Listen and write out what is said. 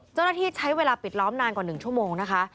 เจ้าหน้าที่ใช้เวลาปิดล้อมนานกว่า๑ชั่วโมงนะคะ